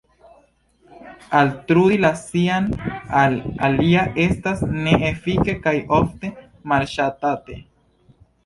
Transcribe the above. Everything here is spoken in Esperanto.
Altrudi la sian al alia estas ne-efike kaj ofte malŝatate.